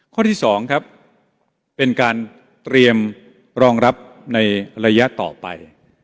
ข้อที่๒ครับเป็นการเตรียมรองรับในระยะต่อไป